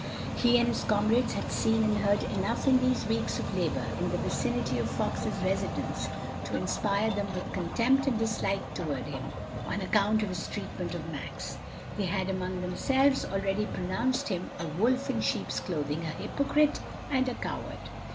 He and his comrades had seen and heard enough in these weeks of labor in the vicinity of Fox's residence to inspire them with contempt and dislike toward him on account of his treatment of Max. They had among themselves already pronounced him "a wolf in sheep's clothing, a hypocrite and a coward."